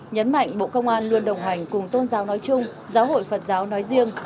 nhấn mạnh bộ công an luôn đồng hành cùng tôn giáo nói chung giáo hội phật giáo nói riêng